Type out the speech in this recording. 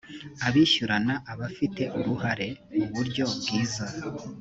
abishyurana abafite uruhare mu buryo bwiza